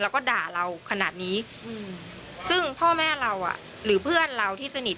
แล้วก็ด่าเราขนาดนี้อืมซึ่งพ่อแม่เราอ่ะหรือเพื่อนเราที่สนิท